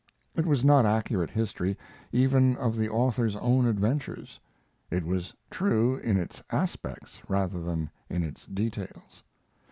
It was not accurate history, even of the author's own adventures. It was true in its aspects, rather than in its details.